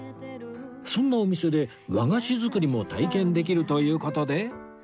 そんなお店で和菓子作りも体験できるという事で